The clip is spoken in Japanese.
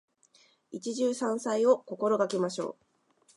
一汁三菜を心がけましょう。